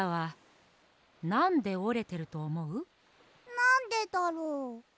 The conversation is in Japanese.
なんでだろう？